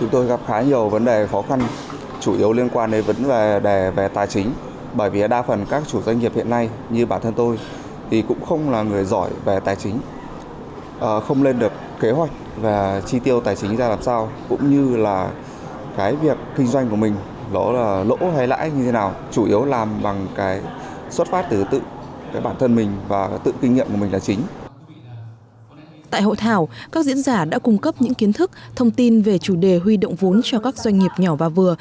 tại hội thảo các diễn giả đã cung cấp những kiến thức thông tin về chủ đề huy động vốn cho các doanh nghiệp nhỏ và vừa